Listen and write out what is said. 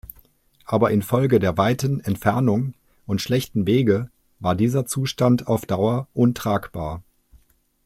Aber infolge der weiten Entfernung und schlechten Wege war dieser Zustand auf Dauer untragbar.